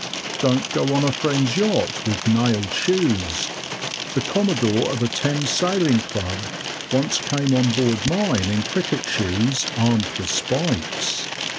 Don't go on a friend's yacht with nailed shoes (the commodore of a Thames sailing club once came on board mine in cricket shoes armed with spikes).